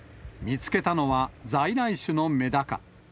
見つけたのは、在来種のメダカ。